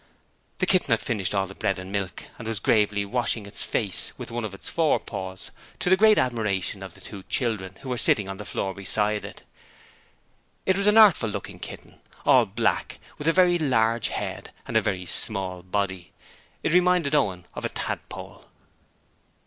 The kitten had finished all the bread and milk and was gravely washing its face with one of its forepaws, to the great admiration of the two children, who were sitting on the floor beside it. It was an artful looking kitten, all black, with a very large head and a very small body. It reminded Owen of a tadpole.